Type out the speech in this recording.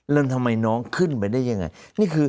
แล้วทำไมน้องขึ้นไปได้ยังไง